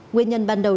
nguyên nhân ban đầu